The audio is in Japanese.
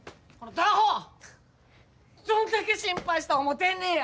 どんだけ心配した思てんねや！